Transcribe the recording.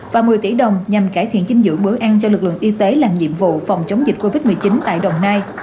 và một mươi tỷ đồng nhằm cải thiện dinh dưỡng bữa ăn cho lực lượng y tế làm nhiệm vụ phòng chống dịch covid một mươi chín tại đồng nai